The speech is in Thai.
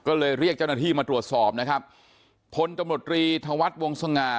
ก็เลยเรียกเจ้าหน้าที่มาตรวจสอบนะครับพนตมรตรีธาวัสท์วงศนะฮะ